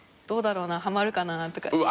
「どうだろうなはまるかな」とか。